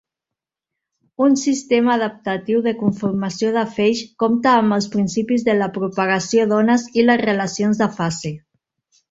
Un sistema adaptatiu de conformació de feix compta amb els principis de la propagació d'ones i les relacions de fase.